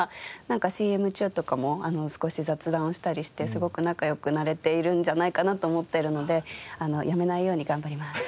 なんかＣＭ中とかも少し雑談をしたりしてすごく仲良くなれているんじゃないかなと思っているので辞めないように頑張ります。